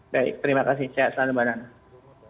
baik terima kasih selamat malam